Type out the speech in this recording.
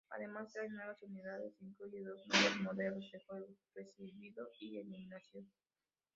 Además trae nuevas unidades, e incluye dos nuevos modos de juego: regicidio y eliminación.